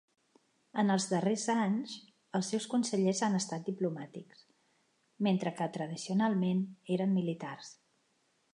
En els darrers anys, els seus consellers han estat diplomàtics, mentre que tradicionalment eren militars.